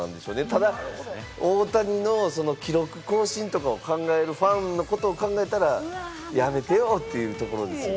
ただ、大谷の記録更新とかを考えるファンのことを考えたら、やめてよ！というところでしょうね。